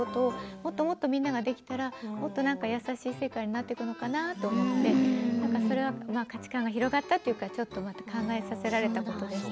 もっともっとみんなができたら優しい世界になっていくのかなと思ってそれは価値観が広がったというか考えさせられたなと思います。